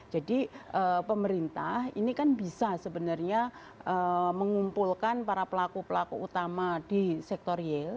jadi pemerintah ini kan bisa sebenarnya mengumpulkan para pelaku pelaku utama di sektor yale